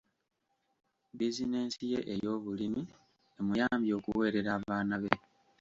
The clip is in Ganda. Bizinensi ye ey'obulimi emuyambye okuweerera abaana be.